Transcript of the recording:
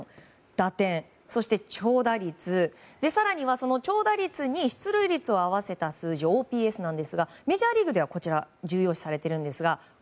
打点、そして長打率更には長打率に出塁率を合わせた数字ＯＰＳですがメジャーリーグではこちらが重要視されているんですが。